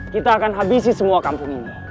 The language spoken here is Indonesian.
kita akan habisi semua kampung ini